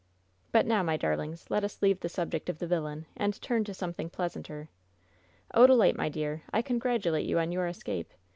But now, my darlings, let us leave the subject of the vil lain and turn to something pleasanter. Odalite, my dear, I congratulate you on your escape.